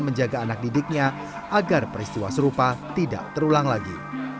menjaga anak didiknya agar peristiwa serupa tidak terulang lagi